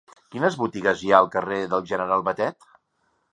Quines botigues hi ha al carrer del General Batet?